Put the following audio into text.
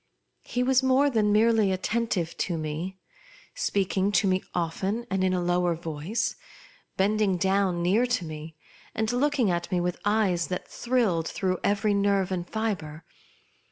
He was more than merely attentive to me ; speaking to me often and in a lower voice, bending down near to me, and looking at me with eyes that thrilled through every nerve and fibre.